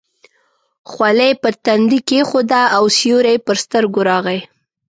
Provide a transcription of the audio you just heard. خولۍ یې پر تندي کېښوده او سیوری یې پر سترګو راغی.